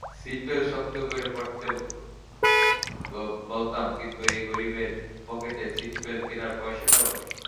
Seat belt শক্ত করে পড়তে বলতাম কিন্তু এই গরীবের পকেটে সিটব্যাল্ট কেনার পয়সাটাও নেই!